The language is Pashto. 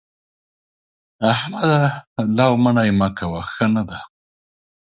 احمده! لو منې مه کوه؛ ښه نه ده.